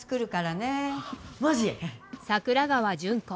桜川順子。